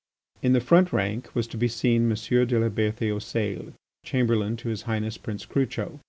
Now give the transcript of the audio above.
In the front rank was to be seen M. de la Bertheoseille, Chamberlain to his Highness Prince Crucho.